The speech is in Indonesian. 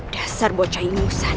dasar bocah ingusan